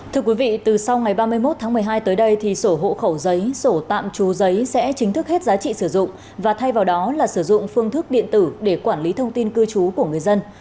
thưa quý vị từ sau ngày ba mươi một tháng một mươi hai tới đây thì sổ hộ khẩu giấy sổ tạm trú giấy sẽ chính thức hết giá trị sử dụng và thay vào đó là sử dụng phương thức điện tử để quản lý thông tin cư trú của người dân